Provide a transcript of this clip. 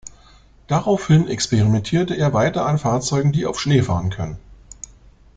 Daraufhin experimentierte er weiter an Fahrzeugen, die auf Schnee fahren können.